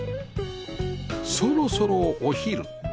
そろそろお昼